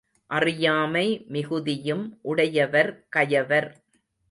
அறியாமை மிகுதியும் உடையவர் கயவர்.